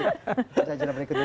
usaha jalan berikutnya